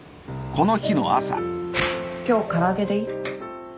今日唐揚げでいい？